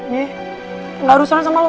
nih gak harus sama lo